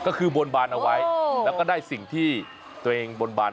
ก็คือบนบานเอาไว้แล้วก็ได้สิ่งที่ตัวเองบนบาน